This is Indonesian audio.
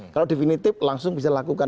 kalau definitif langsung bisa lakukan